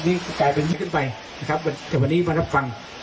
กลายเป็นอย่างนี้ขึ้นไปนะครับแต่วันนี้มันรับฟัง